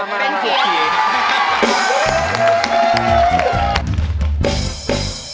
เป็นเสียง